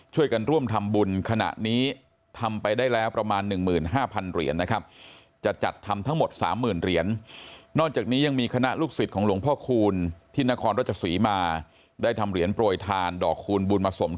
ช่วยกันร่วมทำบุญขณะนี้ทำไปได้แล้วประมาณ๑๕๐๐๐เหรียญนะครับ